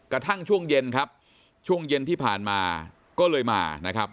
กระทั่งช่วงเย็นครับช่วงเย็นที่ผ่านมาก็เลยมานะครับ